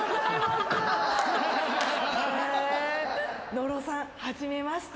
野呂さん初めまして。